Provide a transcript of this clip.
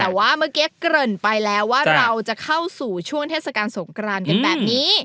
แต่ว่าเมื่อกี้เกริ่นไปแล้วว่าเราจะเข้าสู่ช่วงเทศกาลสงกรานกันแบบนี้